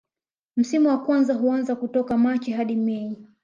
Msimu wa kwanza huanza kutoka Machi hadi mei